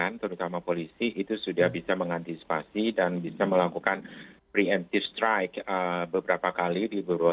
dan selama ini memang tidak ada yang mengatakan bahwa ini adalah hal yang tidak bisa dilakukan